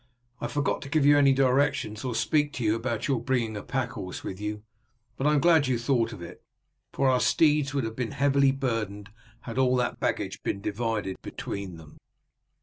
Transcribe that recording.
"I forgot to give you any directions or to speak about your bringing a pack horse with you, but I am glad you thought of it, for our steeds would have been heavily burdened had all that baggage been divided between them."